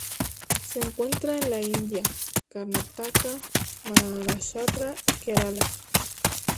Se encuentra en la India: Karnataka, Maharashtra y Kerala.